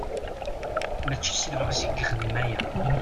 Mačči s lebɣi-s i ixeddem aya.